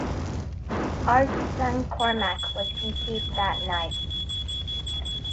Art's son Cormac was conceived that night.